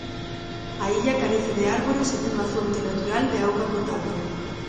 A illa carece de árbores e dunha fonte natural de auga potable.